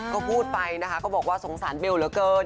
ก็พูดไปนะคะก็บอกว่าสงสารเบลเหลือเกิน